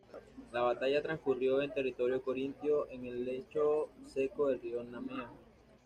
La batalla transcurrió en territorio corintio, en el lecho seco del río Nemea.